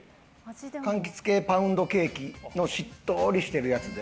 かんきつ系パウンドケーキのしっとりしてるやつで。